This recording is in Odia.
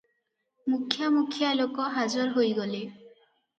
ମୁଖ୍ୟା ମୁଖ୍ୟା ଲୋକ ହାଜର ହୋଇଗଲେ ।